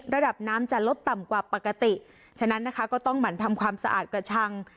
ระดับน้ำจะลดต่ำกว่าปกติฉะนั้นนะคะก็ต้องหมั่นทำความสะอาดกระชัง